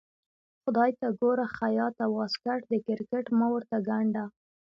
خدای ته ګوره خياطه واسکټ د کرکټ مه ورته ګنډه.